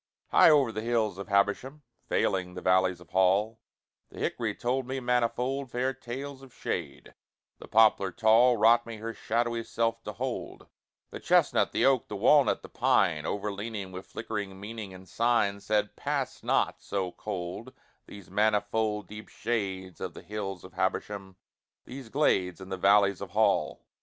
High o'er the hills of Habersham, Veiling the valleys of Hall, The hickory told me manifold Fair tales of shade, the poplar tall Wrought me her shadowy self to hold, The chestnut, the oak, the walnut, the pine, Overleaning, with flickering meaning and sign, Said, `Pass not, so cold, these manifold Deep shades of the hills of Habersham, These glades in the valleys of Hall.'